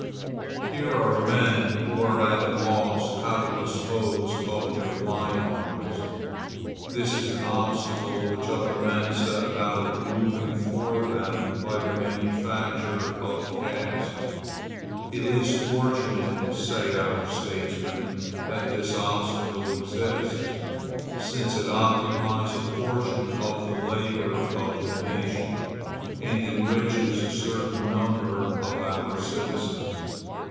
Here are men who are at a loss how to dispose of their wine harvest. This is an obstacle which other men set about removing for them by the manufacture of casks. It is fortunate, say our statesmen, that this obstacle exists, since it occupies a portion of the labor of the nation, and enriches a certain number of our citizens.